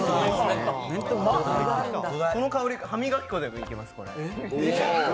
この香り、歯磨き粉でもいけます。